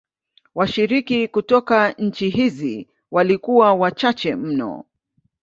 Washiriki kutoka nchi hizi walikuwa wachache mno.